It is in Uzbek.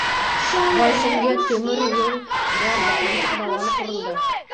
Boysunga temir yo‘l bordi, Qamchiq dovoni qurildi…